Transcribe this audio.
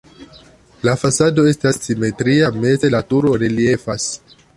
La fasado estas simetria, meze la turo reliefas.